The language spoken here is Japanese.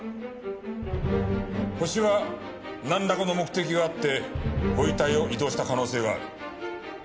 ホシはなんらかの目的があってご遺体を移動した可能性がある。